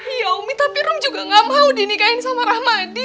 iya umi tapi rum juga gak mau dinikain sama rahmadi